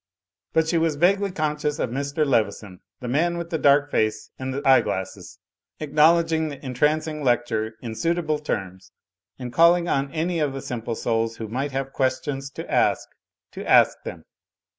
She was but vaguely conscious of Mr. Leveson, the man with the dark face and the eyeglasses, acknowl edging the entrancing lecture in suitable terms, and calling on any of the Simple Souls who might have questions to ask, to ask them.